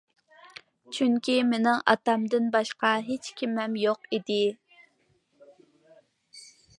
چۈنكى مېنىڭ ئاتامدىن باشقا ھېچكىمىم يوق ئىدى.